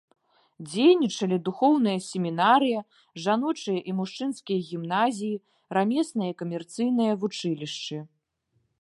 Дзейнічалі духоўная семінарыя, жаночыя і мужчынскія гімназіі, рамеснае і камерцыйнае вучылішчы.